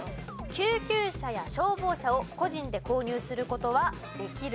救急車や消防車を個人で購入する事はできる？